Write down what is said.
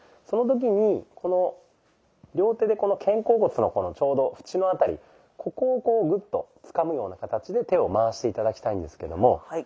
その時に両手でこの肩甲骨のちょうどフチの辺りここをこうグッとつかむような形で手を回して頂きたいんですけども。